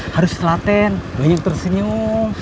harus selaten banyak tersenyum